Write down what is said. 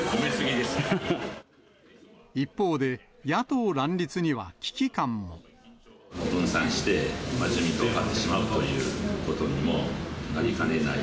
一方で、野党乱立には危機感分散して、自民党が勝ってしまうということにもなりかねない。